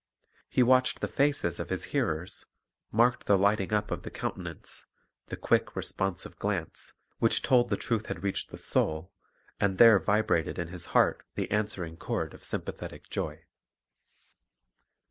He watched the faces of His hearers, marked the lighting up of the countenance, the quick, responsive glance, which told that truth had reached the soul; and there vibrated in His heart the answering chord of sympathetic joy.